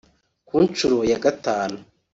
Ku nshuro ya Gatanu